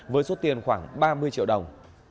với số tiền khoảng ba mươi triệu đồng